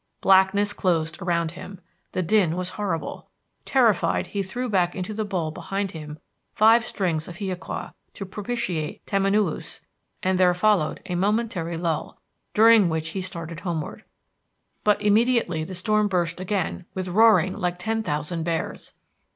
Blackness closed around him. The din was horrible. Terrified, he threw back into the bowl behind him five strings of hiaqua to propitiate Tamanoüs, and there followed a momentary lull, during which he started homeward. But immediately the storm burst again with roarings like ten thousand bears.